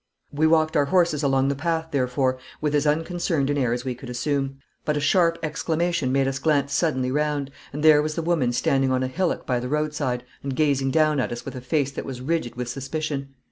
We walked our horses along the path, therefore, with as unconcerned an air as we could assume; but a sharp exclamation made us glance suddenly round, and there was the woman standing on a hillock by the roadside and gazing down at us with a face that was rigid with suspicion.